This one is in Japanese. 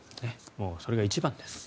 もうそれが一番です。